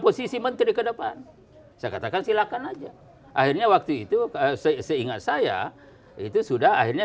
posisi menteri kedepan saya katakan silakan aja akhirnya waktu itu seingat saya itu sudah akhirnya